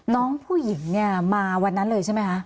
น้องผู้หญิงเนี่ยมาวันนั้นเลยใช่ไหมคะ